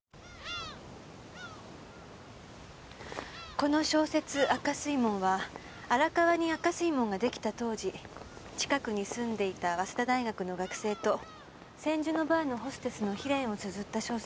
この小説『赤水門』は荒川に赤水門ができた当時近くに住んでいた早稲田大学の学生と千住のバーのホステスの悲恋をつづった小説ですけど。